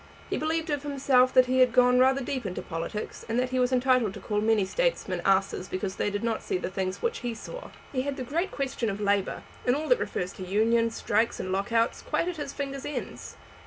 He believed of himself that he had gone rather deep into politics, and that he was entitled to call many statesmen asses because they did not see the things which he saw. He had the great question of labour, and all that refers to unions, strikes, and lock outs, quite at his fingers' ends.